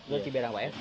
di ciberang pak ya